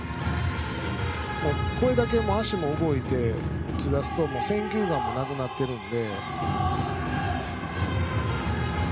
足も動いて打ち出すともう選球眼もなくなっているので。